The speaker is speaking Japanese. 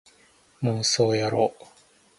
モンストをやろう